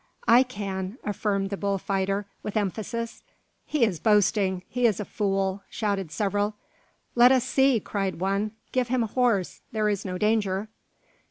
"I can," affirmed the bull fighter, with emphasis. "He is boasting! he is a fool," shouted several. "Let us see!" cried one. "Give him a horse; there is no danger."